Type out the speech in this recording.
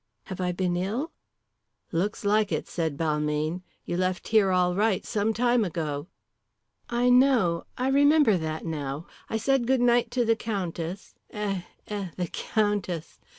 Have I been ill?" "Looks like it!" said Balmayne. "You left here all right some time ago." "I know. I remember that now. I said goodnight to the Countess eh, eh, the Countess!